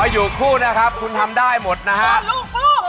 อยู่ห้วนคู่คุณก็ทำได้หมดนะครับ